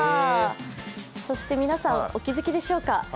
そして皆さん、お気づきでしょうか？